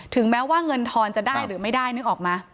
แม้ว่าเงินทอนจะได้หรือไม่ได้นึกออกมา